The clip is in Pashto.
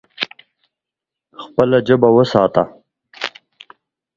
خپله ژبه وساته.